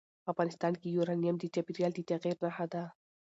افغانستان کې یورانیم د چاپېریال د تغیر نښه ده.